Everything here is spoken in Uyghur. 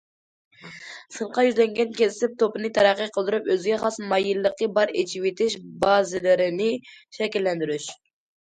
سىرتقا يۈزلەنگەن كەسىپ توپىنى تەرەققىي قىلدۇرۇپ، ئۆزىگە خاس مايىللىقى بار ئېچىۋېتىش بازىلىرىنى شەكىللەندۈرۈش.